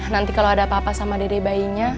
nanti kalo ada apa apa sama dedek bayinya